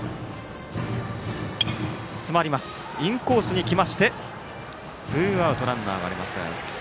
インコースに来ましてツーアウト、ランナーありません。